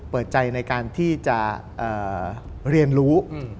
เปิดใจในการที่จะเรียนรู้